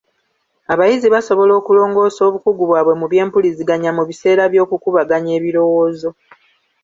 Abayizi basobola okulongoosa obukugu bwabwe mu by'empuliziganya mu biseera by'okukubaganya ebirowoozo.